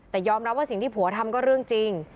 แต่ยอมรับว่าสิ่งที่ผัวทำก็เรื่องจริง